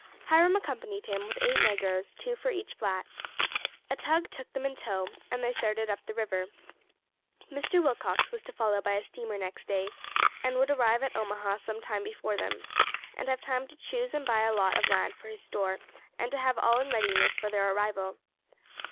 Hiram accompanied him, with eight negroes, two for each flat. A tug took them in tow, and they started up the river. Mr. Willcox was to follow by a steamer next day, and would arrive at Omaha some time before them, and have time to choose and buy a lot of land for his store, and to have all in readiness for their arrival.